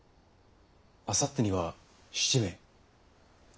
あさってには７名。